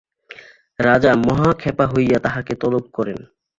রাজা মহা খাপা হইয়া তাহাকে তলব করেন।